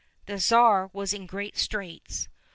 The Tsar was in great straits.